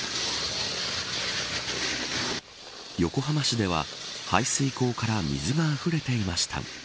横浜市では、排水溝から水があふれていました。